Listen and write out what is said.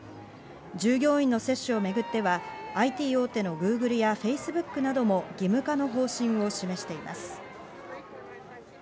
従業員の接種をめぐっては、ＩＴ大手のＧｏｏｇｌｅやＦａｃｅｂｏｏｋなども義務化の方針を示しています。